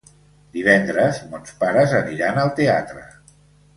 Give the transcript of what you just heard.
Divendres mons pares aniran al teatre.